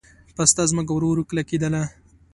پسته ځمکه ورو ورو کلکېدله.